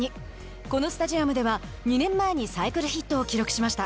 このスタジアムでは２年前にサイクルヒットを記録しました。